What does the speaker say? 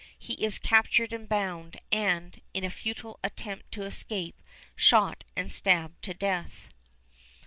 He is captured and bound, and, in a futile attempt to escape, shot and stabbed to death.